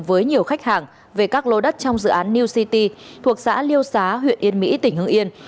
với nhiều khách hàng về các lô đất trong dự án new city thuộc xã liêu xá huyện yên mỹ tỉnh hưng yên